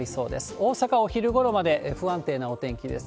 大阪、お昼ごろまで不安定なお天気です。